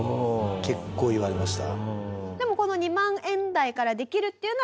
結構言われました。